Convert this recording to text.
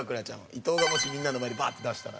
伊藤がもしみんなの前でバッて出したら。